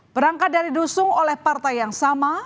perangkat dari dusung oleh partai yang sama